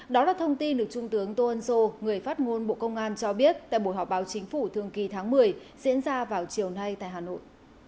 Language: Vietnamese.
đó là thông tin được trung tướng tô ân sô người phát ngôn bộ công an cho biết tại buổi họp báo chính phủ thường kỳ tháng một mươi diễn ra vào chiều nay tại hà nội